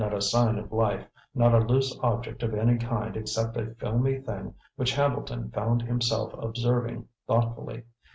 Not a sign of life, not a loose object of any kind except a filmy thing which Hambleton found himself observing thoughtfully.